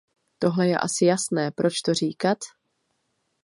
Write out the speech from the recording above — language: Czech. Tohle je asi jasné, proč to říkat?